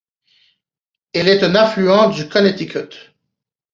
Elle est un affluent du Connecticut.